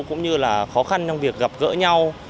cũng như là khó khăn trong việc gặp gỡ nhau